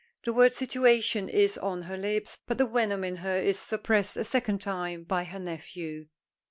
The word "situation" is on her lips; but the venom in her is suppressed a second time by her nephew.